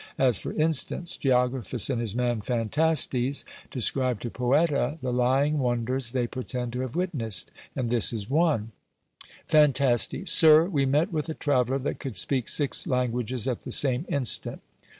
As for instance, Geographus and his man Phantastes describe to Poeta the lying wonders they pretend to have witnessed; and this is one: "Phan. Sir, we met with a traveller that could speak six languages at the same instant.